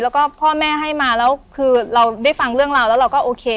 แล้วก็พ่อแม่ให้มาแล้วคือเราได้ฟังเรื่องราวแล้วเราก็โอเค